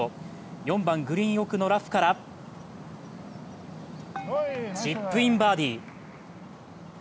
４番グリーン奥のラフから、チップインバーディー。